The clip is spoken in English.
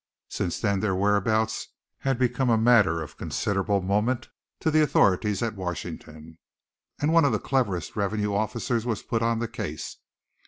Since then their whereabouts had become a matter of considerable moment to the authorities at Washington, and one of the cleverest revenue officers was put on the case.